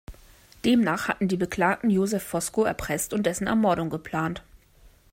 Demnach hätten die Beklagten Joseph Fosco erpresst und dessen Ermordung geplant.